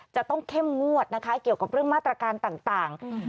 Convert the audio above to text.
จะต้องเข้มงวดนะคะเกี่ยวกับเรื่องมาตรการต่าง